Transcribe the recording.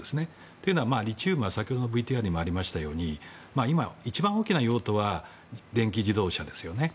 というのは、リチウムは先ほどのＶＴＲにもありましたが一番大きな用途は電気自動車ですよね。